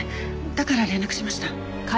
だから連絡しました。